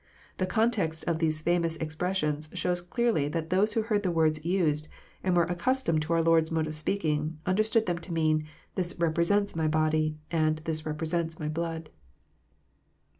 The context of these famous expressions shows clearly that those who heard the words used, and were accustomed to our Lord s mode of speaking, understood them to mean, "This represents My body," and " This represents My blood."